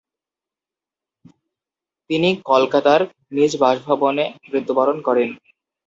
তিনি কলকাতার নিজ বাসভবনে মৃত্যুবরণ করেন।